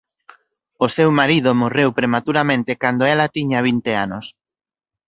O seu marido morreu prematuramente cando ela tiña vinte anos.